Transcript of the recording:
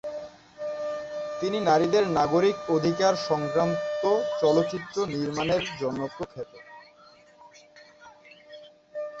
তিনি নারীদের নাগরিক অধিকার সংক্রান্ত চলচ্চিত্র নির্মাণের জন্য প্রখ্যাত।